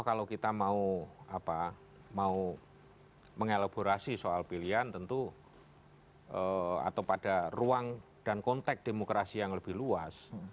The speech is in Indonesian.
kalau kita mau mengelaborasi soal pilihan tentu atau pada ruang dan konteks demokrasi yang lebih luas